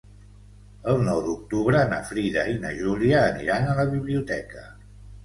El nou d'octubre na Frida i na Júlia aniran a la biblioteca.